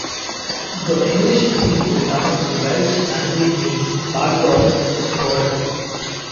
The English meaning of the town's Welsh language name, Bargod, is border.